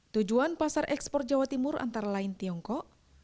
tujuan pasar ekspor jawa timur antara lain tiongkok